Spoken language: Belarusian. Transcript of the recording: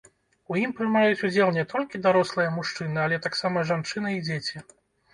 У ім прымаюць удзел не толькі дарослыя мужчыны, але таксама жанчыны і дзеці.